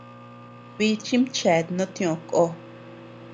Bichim cheat no tiö ko.